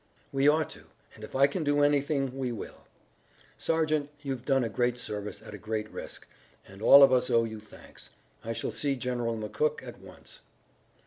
"We ought to, and if I can do anything, we will. Sergeant, you've done a great service at a great risk, and all of us owe you thanks. I shall see General McCook at once."